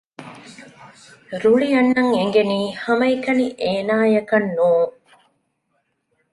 ރުޅިއަންނަން އެނގެނީ ހަމައެކަނި އޭނާއަކަށް ނޫން